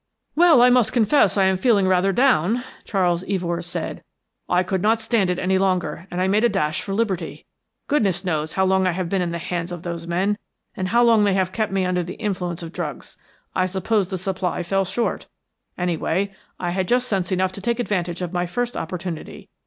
"Well, I must confess, I am feeling rather down," Charles Evors said. "I could not stand it any longer, and I made a dash for liberty. Goodness knows how long I have been in the hands of those men; and how long they have kept me under the influence of drugs. I suppose the supply fell short. Anyway, I had just sense enough to take advantage of my first opportunity.